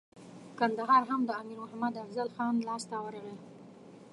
کندهار هم د امیر محمد افضل خان لاسته ورغی.